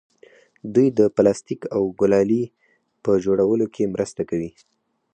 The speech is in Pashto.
دوی د پلاستیک او ګلالي په جوړولو کې مرسته کوي.